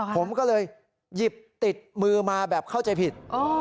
ผมก็เลยหยิบติดมือมาแบบเข้าใจผิด